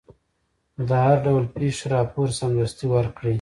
د هر ډول پېښې راپور سمدستي ورکړئ.